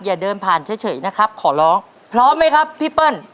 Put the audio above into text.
อย่าเดินผ่านเฉยนะครับขอร้องพร้อมไหมครับพี่เปิ้ล